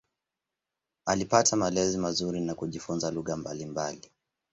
Alipata malezi mazuri na kujifunza lugha mbalimbali.